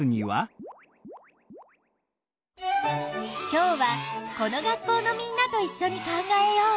今日はこの学校のみんなといっしょに考えよう。